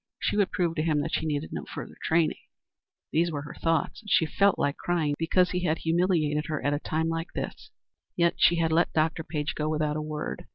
She would prove to him that she needed no further training. These were her thoughts, and she felt like crying, because he had humiliated her at a time like this. Yet she had let Dr. Page go without a word.